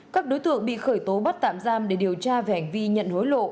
các đối tượng bị khởi tố bắt tạm giam để điều tra về hành vi nhận hối lộ